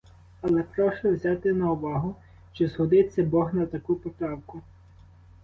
Але прошу взяти на увагу, чи згодиться бог на таку поправку.